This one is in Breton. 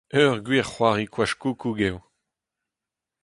Ur gwir c'hoari koach-koukou eo !